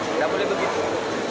tidak boleh begitu